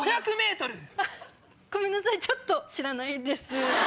ごめんなさいちょっと知らないです。